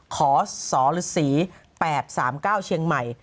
ขอสฤ๘๓๙เชียงใหม่